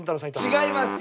違います。